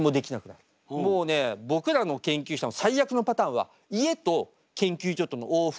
もうね僕らの研究者は最悪のパターンは家と研究所との往復。